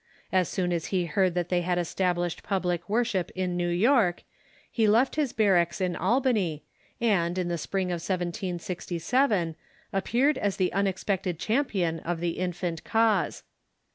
As soon as he heard that they had established public worship in New York, he left his barracks in Albany, and, in the spring of 1767, appeared as the unexpected champion of the infant cause.